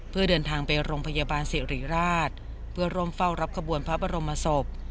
เพื่อเดินทางไปโรงพยาบาลสิริราชเพื่อร่วมเฝ้ารับขบวนพระบรมศพ